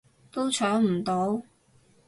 都搶唔到